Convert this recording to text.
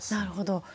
なるほど。